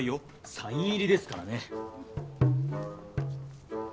サイン入りですからね。